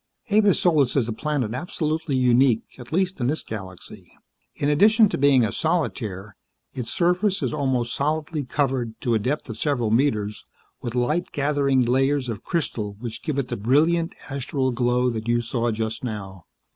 "Avis Solis is a planet absolutely unique, at least in this galaxy. In addition to being a solitaire, its surface is almost solidly covered to a depth of several meters with light gathering layers of crystal which give it the brilliant, astral glow that you saw just now.